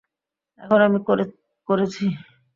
এখন আমি করেছি।